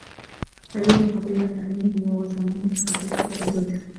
سَلَوْهُ فَضِيلَةَ عِلْمِهِ وَوَسَمُوهُ بِقَبِيحِ تَبَذُّلِهِ